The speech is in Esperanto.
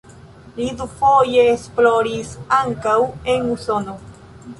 Li dufoje esploris ankaŭ en Usono.